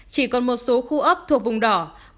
chỉ còn một số khu ấp thuộc vùng đỏ